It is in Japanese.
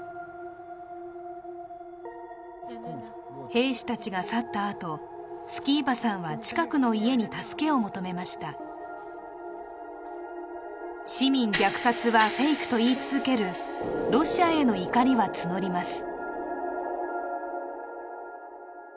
兵士たちが去ったあとスキーバさんは近くの家に助けを求めました市民虐殺はフェイクと言い続けるロシアへの怒りは募ります